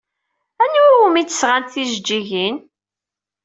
Anwa umi d-sɣant tijeǧǧigin?